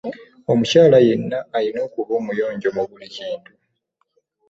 Omukyala yenna alina okubeera omuyonjo mu buli kintu.